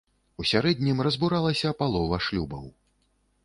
У сярэднім разбуралася палова шлюбаў.